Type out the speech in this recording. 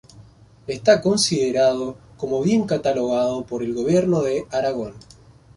Esta considerado como bien catalogado por el Gobierno de Aragón.